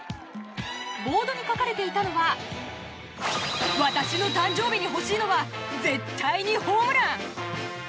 ボードに書かれていたのは私の誕生日に欲しいのは絶対にホームラン！